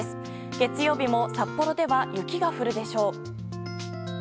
月曜日も札幌では雪が降るでしょう。